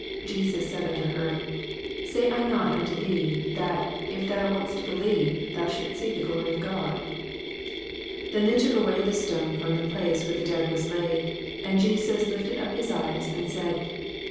40 Jesus saith unto her, Said I not unto thee, that, if thou wouldest be lieve, thou shouldest see the glory of God? 41 Then they took away the stone from the place wliere the dead was laid. And Jesus lifted up hia eyes, and said.